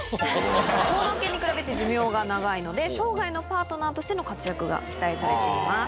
盲導犬に比べて寿命が長いので、生涯のパートナーとしての活躍が期待されています。